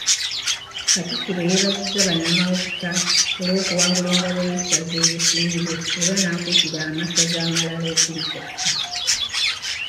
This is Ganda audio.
Katikkiro yeebazizza bannamawokota olw'okuwangula engabo y'essaza erisinze era n'akuutira amasaza amalala okulikoppa.